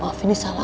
orang lebih joya